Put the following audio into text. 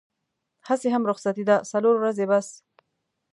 هسې هم رخصتي ده څلور ورځې بس.